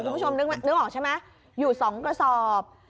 คุณผู้ชมนึกออกใช่ไหมอยู่๒กระสอบ